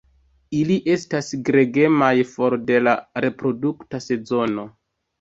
Ili estas gregemaj for de la reprodukta sezono.